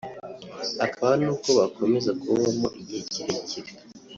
hakaba nubwo bakomeza kububamo igihe kirekire